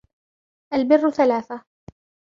الْبِرُّ ثَلَاثَةٌ